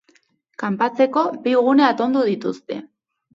Kanpatzeko bi gune atonduko dituzte.